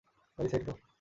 গাড়ি side core.